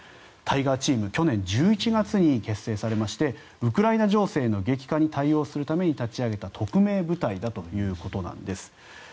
タイガーチーム去年１１月に結成されましてウクライナ情勢の激化に対応するために立ち上げた匿名部隊だということです。